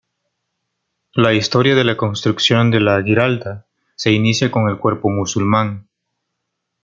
La historia de la construcción de la Giralda se inicia con el cuerpo musulmán.